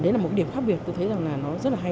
đấy là một điểm khác biệt tôi thấy rằng là nó rất là hay